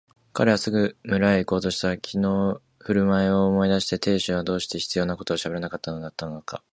彼はすぐ村へいこうとした。きのうのふるまいを思い出して亭主とはどうしても必要なことしかしゃべらないでいたのだったが、